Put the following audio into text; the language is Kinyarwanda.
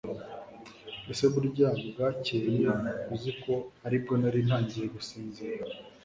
ese burya bwakeye uzi ko aribwo nari ntangiye gusinzira